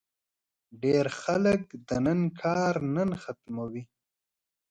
ډېری خلک د نن کار نن ختموي.